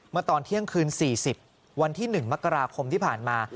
ตอนเที่ยงคืน๔๐วันที่๑มกราคมที่ผ่านมา